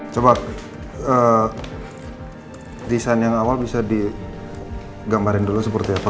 coba desain yang awal bisa digambarin dulu seperti apa